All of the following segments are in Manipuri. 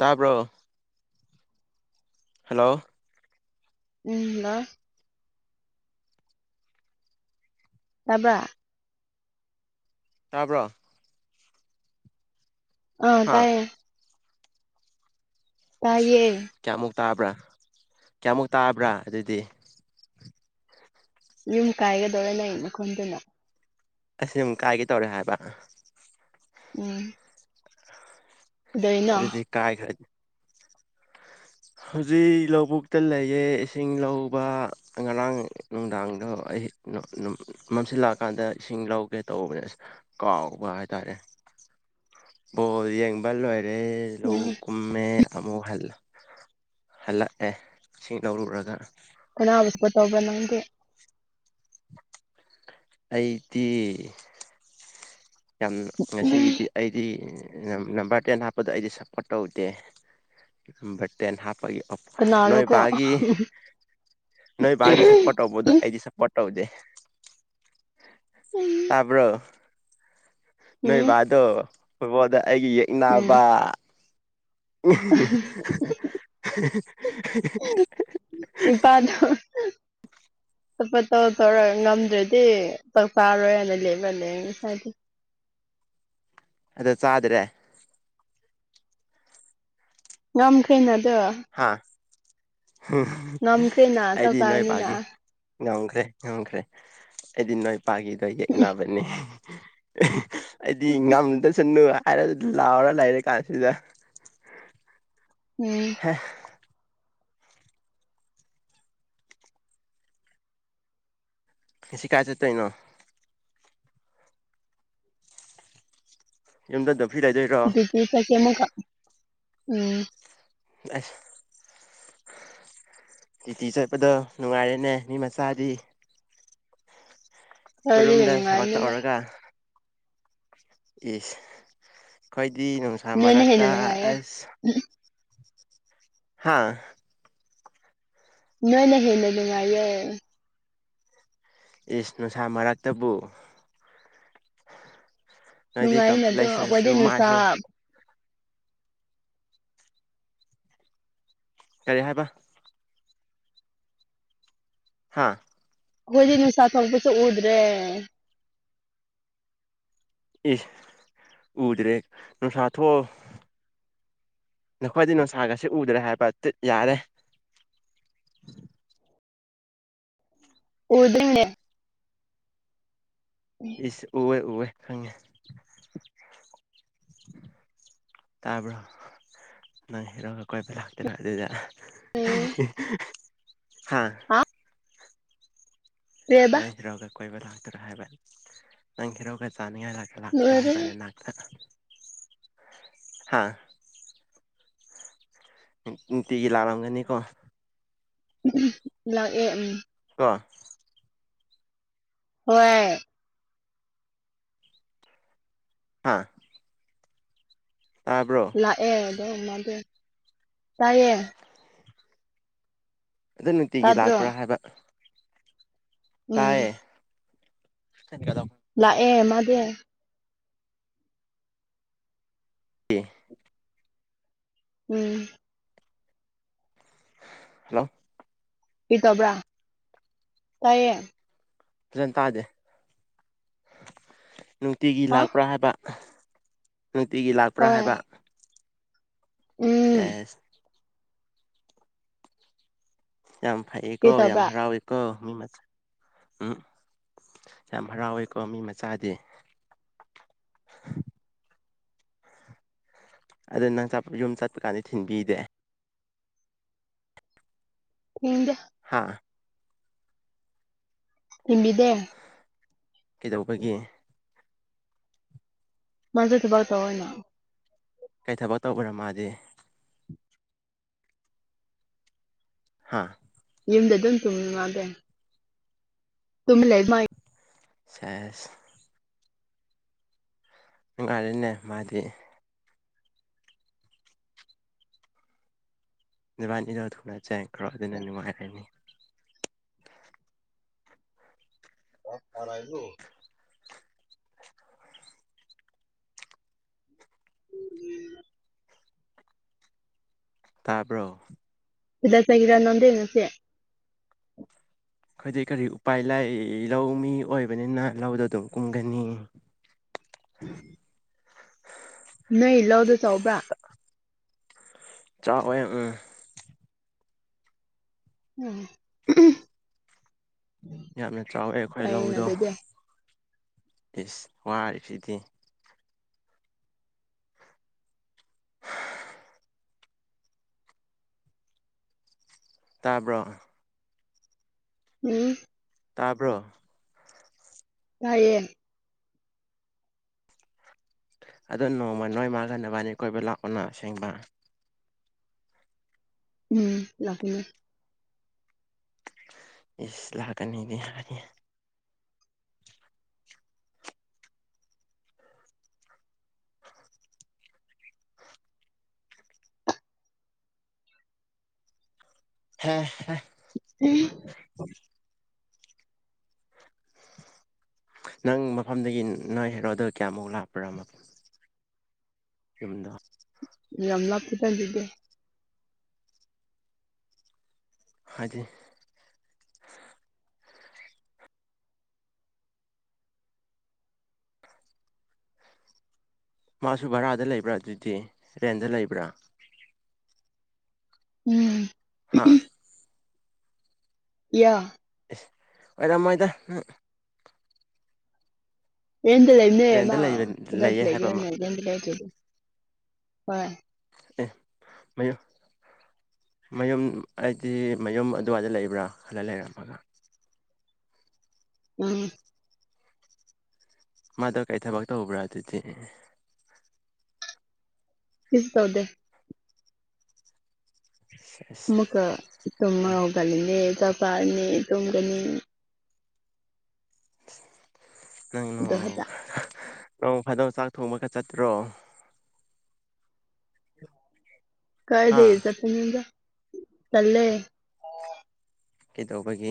ꯇꯥꯕ꯭ꯔꯣ ꯍꯜꯂꯣ ꯎꯝ ꯍꯜꯂꯣ ꯇꯥꯕ꯭ꯔꯥ ꯇꯥꯕ꯭ꯔꯣ ꯑꯥ ꯍꯥ ꯇꯥꯏꯌꯦ ꯢꯁ ꯇꯥꯏꯌꯦ ꯀꯌꯥꯃꯨꯛ ꯇꯥꯕ꯭ꯔꯥ ꯀꯌꯥꯃꯨꯛ ꯇꯥꯕ꯭ꯔꯥ ꯑꯗꯨꯗꯤ ꯌꯨꯝ ꯀꯥꯏꯒꯗꯧꯔꯦ ꯅꯪ ꯅꯈꯣꯟꯗꯨꯅ ꯑꯁ ꯌꯨꯝ ꯀꯥꯢꯒꯗꯧꯔꯦ ꯍꯥꯏꯕ ꯎꯝ ꯀꯩꯗꯧꯔꯤꯅꯣ ꯑꯗꯧꯗꯤ ꯀꯥꯏꯈ꯭ꯔꯦ ꯍꯧꯖꯤꯛ ꯂꯧꯕꯨꯛꯇ ꯂꯩꯌꯦ ꯏꯁꯤꯡ ꯂꯧꯕ ꯉꯔꯥꯡ ꯅꯨꯡꯗꯥꯡꯗꯣ ꯑꯩ [unintelligible] ꯃꯝꯁꯤꯜꯂꯛꯑꯀꯥꯟꯗ ꯏꯁꯤꯡ ꯂꯧꯒꯦ ꯇꯧꯕꯅꯦ ꯑꯁ ꯀꯥꯎꯕ ꯍꯥꯏꯇꯥꯔꯦ ꯕꯣꯜ ꯌꯦꯡꯕ ꯂꯣꯏꯔꯦ ꯂꯧ ꯎꯝ ꯀꯝꯃꯦ ꯑꯃꯨꯛ ꯍꯜ ꯍꯜꯂꯛꯑꯦ ꯁꯤꯡ ꯂꯧꯔꯨꯔꯒ ꯀꯅꯥꯕꯨ ꯁꯞꯄꫭꯔꯠ ꯇꯧꯕ꯭ꯔ ꯅꯪꯗꯤ ꯑꯩꯗꯤ ꯌꯥꯝ ꯎꯝ ꯉꯁꯤꯒꯤꯗꯤ ꯑꯩꯗꯤ ꯅꯝꯕꯔ ꯇꯦꯟ ꯍꯥꯞꯄꯗꫭ ꯑꯩꯗꯤ ꯁꯞꯄꯣꯔꯠ ꯇꯧꯗꯦ ꯅꯝꯕꯔ ꯇꯦꯟ ꯍꯥꯞꯄꯒꯤ ꯅꯣꯏ ꯀꯅꯥꯔꯣꯀꯣ ꯕꯥꯒꯤ ꯅꯣꯏ ꯕꯥꯒꯤ ꯁꯞꯄꯣꯔꯠ ꯇꯧꯕꯗ ꯑꯩꯗꯤ ꯁꯞꯄꫭꯔꯠ ꯇꯧꯗꯦ ꯇꯥꯕ꯭ꯔꫭ ꯅꯣꯏ ꯎꯝ ꯕꯥꯗꯣ ꯐꫭꯠꯕꫭꯜꯗ ꯑꯩꯒꯤ ꯎꯝ ꯌꯦꯛꯅꯕ [unintelligible] ꯏꯄꯥꯗꯣ [inaudible] [unintelligible] ꯉꯝꯗ꯭ꯔꯗꯤ ꯆꯥꯛ ꯆꯥꯔꯣꯏ ꯍꯥꯏꯅ [unintelligible] ꯉꯁꯥꯏꯗꯤ ꯑꯗꯣ ꯆꯥꯗ꯭ꯔꯦ ꯉꯝꯈ꯭ꯔꯦꯅ ꯑꯗꯣ ꯍꯥ ꯉꯝꯈ꯭ꯔꯦꯅ [unintelligible] ꯆꯥꯛ ꯑꯩꯗꯤ ꯅꯣꯏ ꯆꯥꯒꯅꯤꯅ ꯕꯥꯒꯤ ꯉꯝꯈ꯭ꯔꯦ ꯉꯝꯈ꯭ꯔꯦ ꯑꯩꯗꯤ ꯅꯣꯏꯄꯥꯒꯤꯗꯣ ꯌꯦꯛꯅꯕꯅꯦ [unintelligible] ꯑꯩꯗꯤ ꯉꯝꯨꯗꯁꯅꯨ ꯍꯥꯏꯔ ꯂꯥꯎꯔ ꯂꯩꯔꯤ ꯀꯥꯟꯁꯤꯗ ꯎꯝ ꯉꯁꯤ ꯀꯥꯏ ꯆꯠꯇꯣꯏꯅꯣ ꯌꯨꯝꯗ ꯗꯨꯝ ꯐ꯭ꯔꯤ ꯂꯩꯗꯣꯏꯔꯣ [unintelligible] ꯎꯝ [unintelligible] ꯗ꯭ꯌꯨꯇꯤ ꯆꯠꯄꯗꯣ ꯅꯨꯡꯉꯥꯏꯔꯦꯅꯦ ꯃꯤ ꯃꯆꯥꯗꯤ ꯈꯔꯗꯤ ꯎꯔꯨꯝꯗ ꯊꯕꯛ ꯅꯨꯡꯉꯥꯏꯅꯤꯗ ꯇꯧꯔꯒ ꯏꯁ ꯈꯣꯏꯗꯤ ꯅꯨꯡꯁꯥ ꯅꯣꯏꯅ ꯃꯔꯛꯇ ꯍꯦꯟꯅ ꯅꯨꯡꯉꯥꯏꯌꯦ ꯑꯁ ꯍꯥꯥ ꯅꯣꯏꯅ ꯍꯦꯟꯅ ꯅꯨꯡꯉꯥꯏꯌꯦ ꯏꯁ ꯅꯨꯡꯁꯥ ꯃꯔꯛꯇꯕꯨ ꯅꯣꯏꯗꯤ ꯅꯨꯡꯉꯥꯏꯅ ꯑꯗꯣ ꯑꯩꯈꯣꯏꯗꯤ ꯀꯝꯄ꯭ꯂꯦꯛꯁꯟꯁꯨ ꯅꯨꯡꯁꯥ ꯃꯥꯏꯁꯨ ꯀꯔꯤ ꯍꯥꯏꯕ ꯍꯥꯥ ꯑꯈꯣꯏꯗꯤ ꯅꯨꯡꯁꯥ ꯊꯣꯛꯄꯁꯨ ꯎꯗ꯭ꯔꯦ ꯏꯁ ꯎꯗ꯭ꯔꯦ ꯅꯨꯡꯁꯥ ꯊꯣꯛ ꯅꯈꯣꯏꯗꯤ ꯅꯨꯡꯁꯥꯒꯁꯦ ꯎꯗ꯭ꯔꯦ ꯍꯥꯏꯕ [unintelligible] ꯌꯥꯔꯦ ꯎꯗꯦꯅꯦ ꯑꯁ ꯎꯋꯦ ꯎꯋꯦ ꯈꯪꯉꯦ ꯇꯥꯕ꯭ꯔꯣ ꯅꯪ ꯍꯦꯔꯣꯒ ꯀꯣꯏꯕ [unintelligible] ꯑꯗꯨꯗ ꯎꯝ [unintelligible] ꯍꯥ ꯍꯥ ꯀꯩꯕ ꯅꯪ ꯍꯤꯔꯣꯒ ꯀꯣꯏꯕ ꯂꯥꯛꯇꯔꯣ ꯍꯥꯏꯕ ꯅꯪ ꯍꯤꯔꯣꯒ ꯆꯥꯅꯤꯡꯉꯥꯏ ꯂꯣꯏꯔꯦ ꯂꯥꯛꯇ [unintelligible] ꯍꯥꯥ ꯅꯨꯡꯇꯤꯒꯤ ꯂꯥꯛꯂꯝꯒꯅꯤꯀꯣ ꯂꯥꯛ ꯑꯦ ꯎꯝ ꯀꯣ ꯍꯣꯏ ꯍꯥꯥ ꯇꯥꯕ꯭ꯔꯣ ꯂꯥꯛꯑꯦ ꯑꯗꯣ ꯃꯗꯨ ꯑꯗꯨ ꯅꯨꯡꯇꯤꯒꯤ ꯇꯥꯗ꯭ꯔꯣ ꯂꯥꯛꯄ꯭ꯔꯥ ꯍꯥꯏꯕ ꯎꯝ ꯇꯥꯌꯦ ꯀꯗꯝ ꯂꯥꯛꯑꯦ ꯃꯥꯗꯤ ꯑꯦ ꯎꯝ ꯍꯜꯂꯣ ꯀꯔꯤ ꯇꯧꯕ꯭ꯔꯥ ꯇꯥꯏꯌꯦ ꯐꯖꯅ ꯇꯥꯗꯦ ꯅꯨꯡꯇꯤꯒꯤ ꯍꯥ ꯂꯥꯛꯄ꯭ꯔꯥ ꯍꯥꯏꯕ ꯅꯨꯡꯇꯤꯒꯤ ꯂꯥꯛꯄ꯭ꯔꯥ ꯍꯣꯏ ꯍꯥꯏꯕ ꯎꯝ ꯁꯦꯁ ꯌꯥꯝ ꯐꯩꯌꯦ ꯀꯣ ꯀꯔꯤ ꯌꯥꯝ ꯇꯧꯕ꯭ꯔꯥ ꯍꯔꯥꯎꯋꯦ ꯀꯣ ꯃꯤ ꯃ ꯎꯝ ꯌꯥꯝ ꯍꯔꯥꯎꯋꯦꯀꯣ ꯃꯤ ꯃꯆꯥꯗꯤ ꯑꯗꯣ ꯅꯪ ꯆꯠꯄ ꯌꯨꯝ ꯆꯠꯄ ꯀꯥꯟꯗ ꯊꯤꯟꯕꯤꯗꯦ ꯊꯤꯟꯗꯦ ꯍꯥꯥ ꯊꯤꯟꯕꯤꯗꯦ ꯀꯩꯗꯧꯕꯒꯤ ꯃꯥꯖꯦ ꯊꯕꯛ ꯇꯧꯋꯦꯅ ꯀꯩ ꯊꯕꯛ ꯇꯧꯕ꯭ꯔꯥ ꯃꯥꯗꯤ ꯍꯥꯥ ꯌꯨꯝꯗ ꯑꯗꯨꯝ ꯇꯨꯝꯃꯤ ꯃꯥꯗꯤ ꯇꯨꯃꯤ ꯂꯩ ꯃꯥ ꯁꯦꯁ ꯅꯨꯡꯉꯥꯏꯔꯦꯅꯦ ꯃꯥꯗꯤ ꯅꯣꯏꯕꯥꯅꯤꯗꯣ ꯊꯨꯅ ꯆꯦꯟꯈ꯭ꯔꯣ ꯑꯗꯨꯅ ꯅꯨꯡꯉꯥꯏꯔꯅꯤ [unintelligible] [unintelligible] ꯇꯥꯕ꯭ꯔꯣ ꯁꯤꯗ ꯆꯒꯤꯔ ꯅꯣꯟꯗꯦꯅꯁꯤ ꯑꯩꯈꯣꯏꯗꯤ ꯀꯔꯤ ꯎꯄꯥꯏ ꯂꯩ ꯂꯧꯃꯤ ꯑꯣꯏꯕꯅꯤꯅ ꯂꯧꯗ ꯑꯗꯨꯝ ꯀꯨꯝꯒꯅꯤ [unintelligible] ꯅꯣꯏ ꯂꯧꯗꯣ ꯆꯥꯎꯕ꯭ꯔꯥ ꯆꯥꯎꯋꯦ ꯎꯝ ꯎꯝ ꯌꯥꯝꯅ ꯆꯥꯎꯋꯦ ꯑꯩꯈꯣꯏ ꯐꯩꯌꯦꯅ ꯂꯧꯗꯣ ꯑꯗꯨꯗꯤ ꯏꯁ ꯋꯥꯔꯤꯕꯁꯤꯗꯤ ꯇꯥꯕ꯭ꯔꯣ ꯎꯝ ꯇꯥꯕ꯭ꯔꯣ ꯇꯥꯏꯌꯦ ꯑꯗꯣ ꯅꯣꯡꯃ ꯅꯣꯏ ꯃꯥꯒ ꯅꯕꯟꯅꯤ ꯀꯣꯏꯕ ꯂꯥꯛꯑꯣꯅ ꯑꯁꯦꯡꯕ ꯎꯝ ꯂꯥꯛꯇꯣꯏꯅꯦ ꯏꯁ ꯂꯥꯛꯀꯅꯤꯗꯤ ꯍꯥꯏꯅꯦ [inaudible] ꯎꯝ ꯅꯪ ꯃꯐꯝꯗꯒꯤ ꯅꯣꯏ ꯍꯦꯔꯣꯗꯣ ꯀꯌꯥꯃꯨꯛ ꯂꯥꯛꯄ꯭ꯔꯥ ꯃꯐꯝ ꯌꯨꯝꯗꯣ ꯌꯥꯝ ꯂꯞꯇꯦꯗ ꯑꯗꯨꯗꯤ ꯍꯥꯏꯗꯤ ꯃꯥꯁꯨ ꯚꯔꯥꯗ ꯂꯩꯕ꯭ꯔꯥ ꯑꯗꯨꯗꯤ ꯔꯦꯟꯗ ꯂꯩꯕ꯭ꯔꯥ ꯎꯝ ꯍꯥꯥ ꯌꯥ ꯏꯁ ꯑꯣꯏꯔꯝꯃꯣꯏꯗ ꯅꯪ ꯌꯦꯟꯗ ꯂꯩꯕꯅꯦ ꯔꯦꯟꯗ ꯃꯥ ꯂꯩꯕ ꯀꯗꯥꯏꯗ ꯂꯩꯌꯦ ꯍꯥꯏꯕ ꯑꯃ ꯂꯩꯒꯦꯔꯅꯦ ꯔꯦꯟꯗ ꯂꯩꯇ꯭ꯔꯗꯤ ꯍꯣꯏ ꯑꯦ ꯃꯌꯨ ꯃꯌꯨꯝ ꯍꯥꯏꯗꯤ ꯃꯌꯨꯝ ꯑꯗꯨꯋꯥꯏꯗ ꯂꯩꯕ꯭ꯔꯥ ꯈꯜꯂ ꯂꯩꯔꯝꯃꯒ ꯎꯝ ꯃꯥꯗꯣ ꯀꯩ ꯊꯕꯛ ꯇꯧꯕ꯭ꯔꯥ ꯑꯗꯨꯗꯤ ꯀꯩꯁꯨ ꯇꯧꯗꯦ [unintelligible] ꯑꯃꯨꯛꯀ ꯇꯣꯝꯕ ꯍꯧꯒꯠꯂꯤꯅꯦ ꯆꯛ ꯆꯥꯔꯅꯤ ꯇꯣꯃꯒꯅꯤ ꯅꯪ ꯅꯣꯡ ꯑꯗꯨ ꯈꯛꯇ ꯅꯣꯡꯃ ꯐꯥꯗꯣꯛ ꯆꯥꯛ ꯊꯣꯡꯕꯒ ꯆꯠꯇ꯭ꯔꯣ ꯍꯥ ꯀꯥꯏꯗꯩ ꯆꯠꯄꯅꯣꯗ ꯇꯜꯂꯦ ꯀꯩꯗꯧꯕꯒꯤ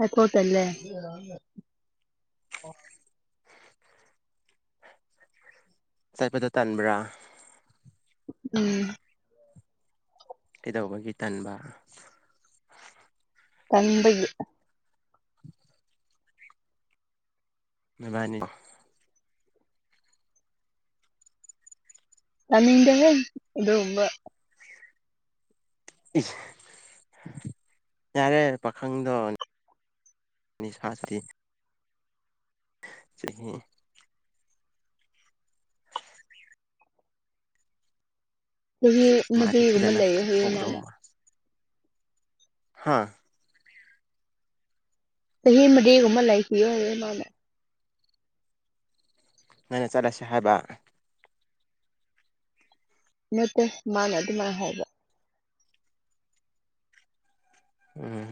ꯑꯩ ꯀꯣꯏ ꯇꯜꯂꯦ ꯆꯠꯄꯗ ꯇꯟꯕ꯭ꯔꯥ ꯎꯝ ꯀꯩꯗꯧꯕꯒꯤ ꯇꯟꯕ ꯇꯟꯕꯒꯤ ꯅꯣꯏꯕꯥꯟꯅꯤ ꯇꯥꯅꯤꯡꯗꯦꯍꯦ ꯑꯗꯨꯒꯨꯝꯕ ꯏꯁ ꯌꯥꯔꯦ ꯄꯥꯈꯪꯗꯣ ꯅꯤ ꯁꯥꯁꯇꯤ ꯆꯍꯤ ꯆꯍꯤ ꯃꯥꯗꯤ ꯃꯔꯤꯒꯨꯝꯕ ꯐꯖꯅ ꯂꯩꯒꯦ ꯍꯥꯏꯌꯦ ꯐꯧꯗꯧ ꯃꯥꯅ ꯍꯥꯥ ꯆꯍꯤ ꯃꯔꯤꯒꯨꯝꯕ ꯂꯩꯈꯤꯒꯦ ꯍꯥꯏꯌꯦ ꯃꯥꯅ ꯅꯪꯅ ꯆꯠꯂꯁꯤ ꯍꯥꯏꯕ ꯅꯠꯇꯦ ꯃꯥꯅ ꯑꯗꯨꯃꯥꯏ ꯍꯥꯏꯕ ꯎꯝ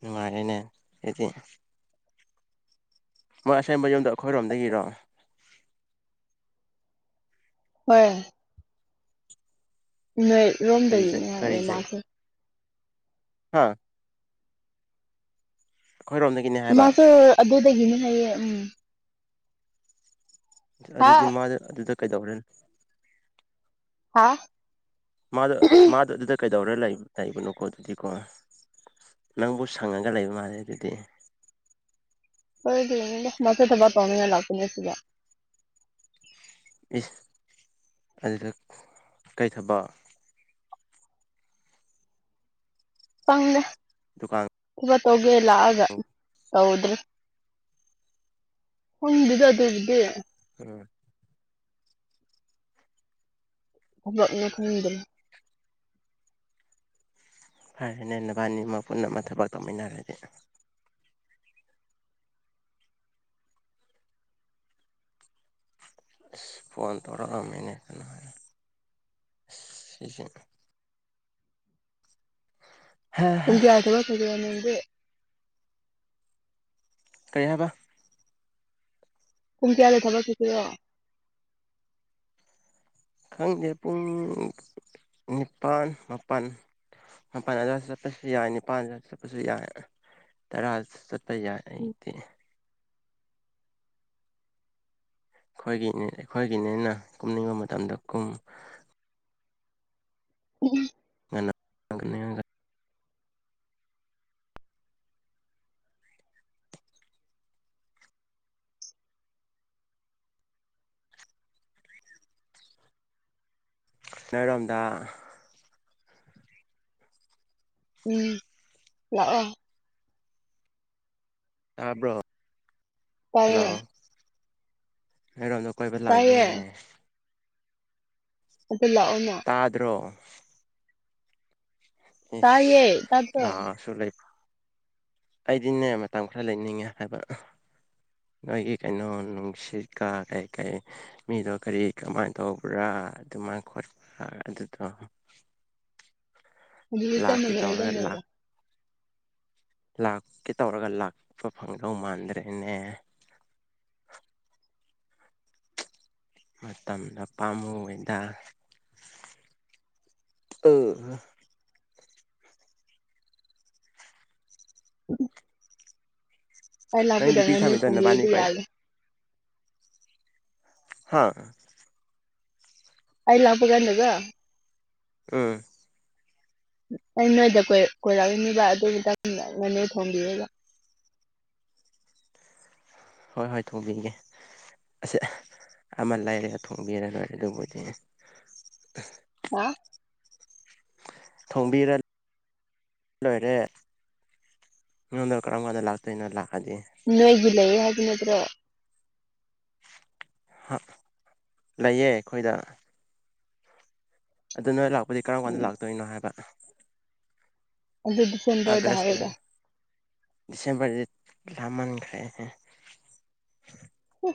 ꯅꯨꯡꯉꯥꯏꯔꯦꯅꯦ ꯑꯗꯨꯗꯤ ꯃꯣꯏ ꯑꯁꯦꯡꯕ ꯌꯨꯝꯗꯣ ꯑꯩꯈꯣꯏꯔꯣꯝꯗꯒꯤꯔꯣ ꯍꯣꯏ ꯅꯣꯏ ꯀꯔꯤ ꯔꯣꯝꯗꯒꯤꯅꯦ ꯍꯥꯏꯌꯦ ꯃꯥꯁꯨ ꯍꯥꯥ ꯑꯩꯈꯣꯏꯔꯣꯝꯗ ꯃꯥꯁꯨ ꯑꯗꯨꯗꯒꯤꯅꯤ ꯍꯥꯏꯌꯦ ꯎꯝ ꯑꯗꯨꯗꯤ ꯍꯥ ꯃꯥꯗꯨ ꯑꯗꯨꯗ ꯀꯩꯗꯧꯔꯦ ꯍꯥꯥ ꯃꯥꯗꯣ ꯃꯥꯗꯗꯣ ꯑꯗꯨꯗ ꯀꯩꯗꯧꯔ ꯂꯩ ꯂꯩꯕꯅꯣꯀꯣ ꯑꯗꯨꯗꯤꯀꯣ ꯅꯪꯕꯨ ꯁꯪꯉꯒ ꯂꯩꯕ ꯃꯥꯜꯂꯦ ꯑꯗꯨꯗꯤ ꯍꯗꯤꯃꯖꯦ [unintelligible] ꯃꯥꯖꯨ ꯊꯕꯛ ꯇꯧꯅꯤꯉꯥꯏ ꯂꯥꯛꯄꯅꯤ ꯁꯤꯗ ꯏ꯭ꯁ ꯑꯗꯨꯗ ꯀꯩ ꯊꯕꯛ ꯐꯪ [unintelligible] ꯗꯨꯀꯥꯟ [unintelligible] ꯁꯦꯕꯥ ꯇꯧꯒꯦ ꯂꯥꯛꯑꯒ ꯇꯧꯗ꯭ꯔꯦ ꯍꯣꯏꯗꯨꯗ [unintelligible] ꯑꯗꯨꯕꯨꯗꯤ ꯎꯝ [unintelligible] ꯊꯂꯅ [unintelligible] ꯈꯪꯗ꯭ꯔꯦ ꯍꯥꯏ ꯍꯥꯏꯅ ꯅꯕꯅꯤꯃꯛ ꯄꯨꯟꯅ ꯑꯃ ꯊꯕꯛ ꯇꯧꯃꯤꯟꯅꯔꯗꯤ ꯏ꯭ꯁ ꯐꯣꯟ ꯇꯧꯔꯛ ꯉꯝꯃꯤꯅꯦ ꯅꯨꯡꯉꯥꯏꯔꯦ ꯏ꯭ꯁ ꯁꯤꯖꯨ ꯍꯥ ꯍꯥ ꯀꯨꯡꯌꯥꯔꯗꯕ [unintelligible] ꯀ [unintelligible] ꯋꯥꯅꯤ [unintelligible] ꯀꯩ ꯍꯥꯏꯕ ꯄꯨꯡ ꯀꯌꯥꯗ ꯊꯕꯛ ꯆꯠꯇꯨꯏꯔꯣ ꯈꯪꯗꯦ ꯄꯨꯡ ꯅꯤꯄꯥꯟ ꯃꯥꯄꯟ ꯃꯄꯜ ꯑꯗꯨꯋꯥꯏꯗ ꯆꯠꯄꯁꯨ ꯌꯥꯏ ꯅꯤꯄꯥꯥꯟ ꯑꯗꯨꯋꯥꯏꯗ ꯆꯠꯄꯁꯨ ꯌꯥꯏ ꯇꯔꯥ ꯆꯠ ꯄ ꯌꯥꯏ ꯑꯩꯗꯤ ꯑꯩꯈꯣꯏꯒꯤꯅꯤ ꯑꯩꯈꯣꯏꯒꯤ ꯅꯤꯅ ꯀꯨꯝꯅꯤꯡꯕ ꯃꯇꯝꯗ ꯀꯨꯝ ꯎꯝ [unintelligible] ꯉ [unintelligible] ꯅꯣꯏꯔꯣꯝꯗ ꯎꯝ ꯂꯥꯛꯑꯣ [unintelligible] ꯇꯥꯕ꯭ꯔꯣ ꯍꯜꯂꯣ ꯇꯥꯏꯌꯦ ꯅꯣꯏꯔꯣꯝꯗ ꯀꯣꯏꯕ ꯇꯥꯏꯌꯦ ꯂꯥꯛꯅꯤꯡꯉꯦ ꯑꯗꯨ ꯂꯥꯛꯑꯣꯅ ꯇꯥꯗ꯭ꯔꯣ ꯏꯁ ꯇꯥꯏꯌꯦ ꯇꯥꯗ꯭ꯔꯣ [unintelligible] ꯑꯩꯗꯤꯅꯦ ꯃꯇꯝ ꯈꯔ ꯂꯩꯅꯤꯡꯉꯦ ꯍꯥꯏꯕ ꯅꯣꯏꯒꯤ ꯀꯩꯅꯣ ꯅꯨꯡꯁꯤꯠꯀꯥ ꯀꯩ ꯀꯩ ꯃꯤꯗꯣ ꯀꯔꯤ ꯀꯃꯥꯏꯅ ꯇꯧꯕ꯭ꯔꯥ ꯑꯗꯨꯃꯥꯏꯅ ꯈꯣꯠꯄ ꯑꯗꯨꯗꯣ ꯑꯗꯨꯗꯤ ꯆꯞ ꯂꯥꯛꯀꯦ ꯃꯥꯟꯅꯩꯗ ꯇꯧꯔꯒ ꯅꯣꯏꯒ ꯂꯥꯛ ꯂꯥꯛꯀꯦ ꯇꯧꯔꯒ ꯂꯥꯛꯄ ꯐꯪꯗꯧ ꯃꯥꯟꯗ꯭ꯔꯦꯅꯦ ꯃꯇꯝꯗꯣ ꯄꯥꯝꯃꯨꯏꯌꯦꯗ [unintelligible] ꯑꯩ ꯅꯪ ꯂꯥꯛꯄꯗ ꯗꯤꯄꯤ ꯉꯥꯅꯨ ꯊꯝꯃꯤꯗꯣ ꯅꯕꯥꯅꯤ ꯊꯣꯡꯕꯤꯔꯗꯤ ꯀꯣꯏ ꯌꯥꯏꯌꯦ ꯍꯥꯥ ꯑꯩ ꯂꯥꯛꯄ ꯀꯥꯟꯗꯀꯣ ꯎꯝ ꯑꯩ ꯅꯣꯏꯗ ꯀꯣꯢꯔꯛ ꯀꯣꯏꯔꯛꯑꯅꯤꯕ ꯑꯗꯨ ꯃꯇꯝꯗ ꯉꯥꯅꯨ ꯊꯣꯡꯕꯤꯌꯣꯕ ꯍꯣꯏ ꯍꯣꯏ ꯊꯣꯡꯕꯤꯒꯦ ꯑꯁ ꯑꯃ ꯂꯩꯔꯒ ꯊꯣꯡꯕꯤꯔ ꯂꯣꯏꯔꯦ ꯑꯗꯨꯕꯨꯗꯤ ꯍꯥ ꯊꯣꯡꯕꯤꯔ ꯂꯣꯏꯔꯦ ꯅꯪꯅ ꯀꯔꯝ ꯀꯥꯟꯗ ꯂꯥꯛꯇꯣꯏꯅꯣ ꯂꯥꯛꯑꯗꯤ ꯅꯣꯏꯒꯤ ꯂꯩꯌꯦ ꯍꯥꯏꯕ ꯅꯠꯇ꯭ꯔꯣ ꯍꯥ ꯂꯩꯌꯦ ꯑꯩꯈꯣꯏꯗ ꯑꯗꯣ ꯅꯣꯏ ꯂꯥꯛꯄꯗꯤ ꯀꯔꯝ ꯀꯥꯟꯗ ꯎꯝ ꯂꯥꯛꯇꯣꯏꯅꯣ ꯍꯥꯏꯕ ꯑꯗꯨ ꯗꯤꯁꯦꯝꯕꯔꯗ ꯑꯒꯁꯇ ꯍꯥꯏꯔꯒ ꯗꯤꯁꯦꯝꯕꯔꯗꯤ ꯂꯥꯞꯃꯟꯈ꯭ꯔꯦꯅꯦ ꯍꯨ